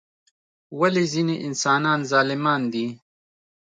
ولی ځینی انسانان ظالمان دي؟